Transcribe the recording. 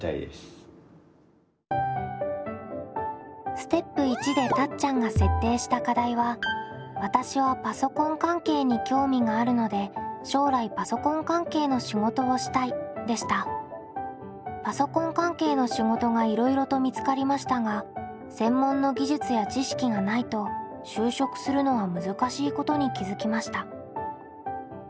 ステップ①でたっちゃんが設定した課題はわたしはパソコン関係の仕事がいろいろと見つかりましたが専門の技術や知識がないと就職するのは難しいことに気付きました。